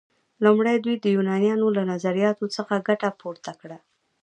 لومړی دوی د یونانیانو له نظریاتو څخه ګټه پورته کړه.